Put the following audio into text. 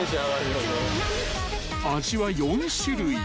［味は４種類］